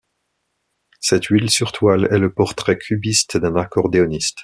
Cette huile sur toile est le portrait cubiste d'un accordéoniste.